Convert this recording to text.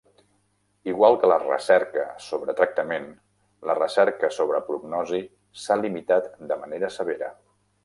Igual que la recerca sobre tractament, la recerca sobre prognosi s'ha limitat de manera severa.